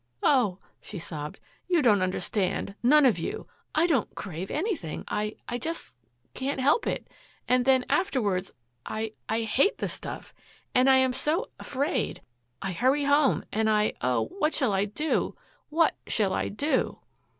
"Oh," she sobbed, "you don't understand none of you. I don't crave anything. I I just can't help it and then, afterwards I I HATE the stuff and I am so afraid. I hurry home and I oh, what shall I do what shall I do?"